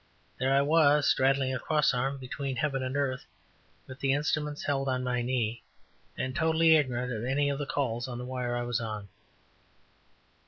There I was, straddling a cross arm between heaven and earth, with the instrument held on my knee, and totally ignorant of any of the calls or the wire I was on.